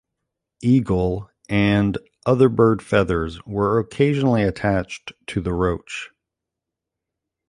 Eagle and other bird feathers were occasionally attached to the roach.